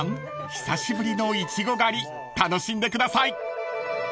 久しぶりのイチゴ狩り楽しんでください］